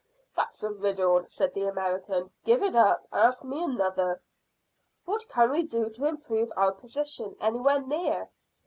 "Hum! That's a riddle," said the American. "Give it up. Ask me another." "What can we do to improve our position anywhere near?"